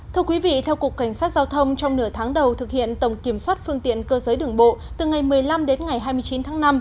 thưa quý vị theo cục cảnh sát giao thông trong nửa tháng đầu thực hiện tổng kiểm soát phương tiện cơ giới đường bộ từ ngày một mươi năm đến ngày hai mươi chín tháng năm